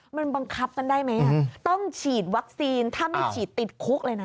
มันบังคับกันได้ไหมต้องฉีดวัคซีนถ้าไม่ฉีดติดคุกเลยนะ